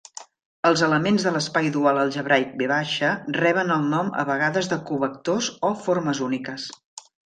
Els elements de l'espai dual algebraic "V" reben el nom a vegades de covectors o formes úniques.